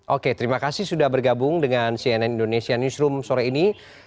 oke terima kasih sudah bergabung dengan cnn indonesia newsroom sore ini